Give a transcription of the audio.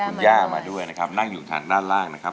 คุณย่ามาด้วยนะครับนั่งอยู่ทางด้านล่างนะครับ